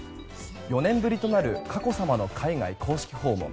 ４年ぶりとなる佳子さまの海外公式訪問。